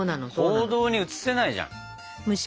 行動に移せないじゃん。